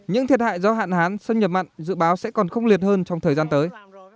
những thiệt hại do hạn hán xâm nhập mặn dự báo sẽ còn khốc liệt hơn trong thời gian tới